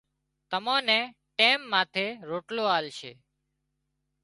تمان نين ٽيم ماٿي روٽلو آلشي